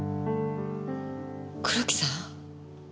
黒木さん？